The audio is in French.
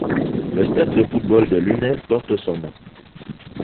Le stade de football de Lunel porte son nom.